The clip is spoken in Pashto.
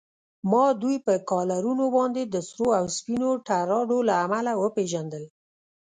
ما دوی پر کالرونو باندې د سرو او سپینو ټراډو له امله و پېژندل.